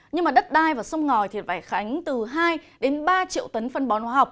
nhưng đất đai và sông ngòi phải khánh từ hai ba triệu tấn phân bón